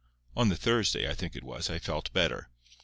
On the Thursday, I think it was, I felt better.